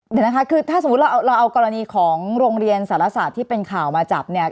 เดี๋ยวนะคะคือถ้าสมมุติเราเอากรณีของโรงเรียนสารศาสตร์ที่เป็นข่าวมาจับเนี่ย